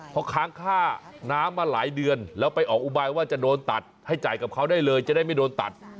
เพราะค้างค่าน้ำมาหลายเดือนแล้วไปออกอุบายว่าจะโดนตัดให้จ่ายกับเขาได้เลยจะได้ไม่โดนตัด